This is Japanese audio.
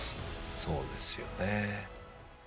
そうですよね。